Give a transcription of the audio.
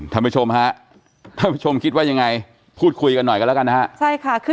ท่านผู้ชมฮะท่านผู้ชมคิดว่ายังไงพูดคุยกันหน่อยกันแล้วกันนะฮะใช่ค่ะคือ